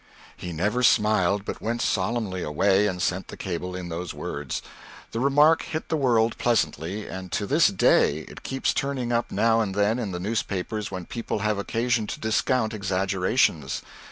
He never smiled, but went solemnly away and sent the cable in those words. The remark hit the world pleasantly, and to this day it keeps turning up, now and then, in the newspapers when people have occasion to discount exaggerations.